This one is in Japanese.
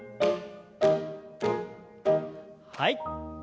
はい。